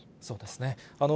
そうですね。